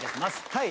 はい。